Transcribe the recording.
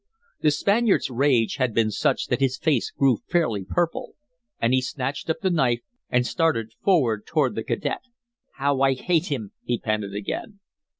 The Spaniard's rage had been such that his face grew fairly purple. And he snatched up the knife and started forward toward the cadet. "How I hate him!" he panted again.